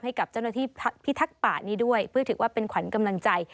ให้กับเจ้าหน้าที่พิทักษ์ป่านี้ด้วยเพื่อถือว่าเป็นขวัญกำลังใจ